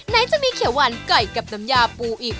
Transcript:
ไหนจะมีเขียวหวานไก่กับน้ำยาปูอีก